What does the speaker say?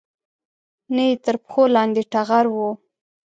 نه یې تر پښو لاندې ټغر و